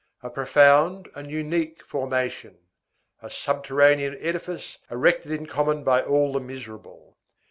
A profound and unique formation. A subterranean edifice erected in common by all the miserable.